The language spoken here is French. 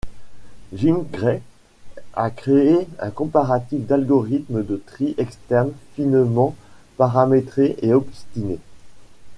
Jim Gray a créé un comparatif d'algorithmes de tri externes finement paramétrés et optimisés.